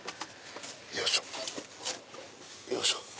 よいしょよいしょ。